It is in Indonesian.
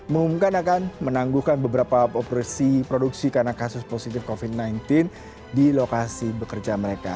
mengumumkan akan menangguhkan beberapa operasi produksi karena kasus positif covid sembilan belas di lokasi bekerja mereka